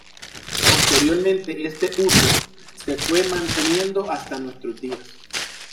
Posteriormente este uso se fue manteniendo hasta nuestros días.